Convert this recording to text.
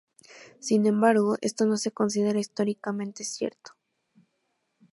Sin embargo, esto no se considera históricamente cierto.